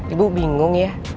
ibu bingung ya